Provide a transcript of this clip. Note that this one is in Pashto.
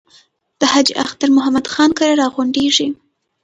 د حاجي اختر محمد خان کره را غونډېږي.